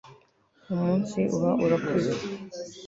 umunsi uba urakuze